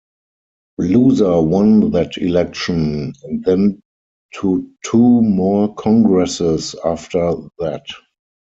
Loser won that election, and then to two more Congresses after that.